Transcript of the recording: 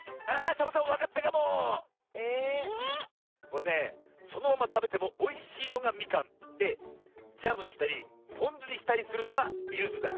これねそのままたべてもおいしいのがみかんでジャムにしたりぽんずにしたりするのがゆずだ。